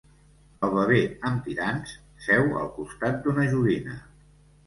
El bebè amb tirants seu al costat d'una joguina.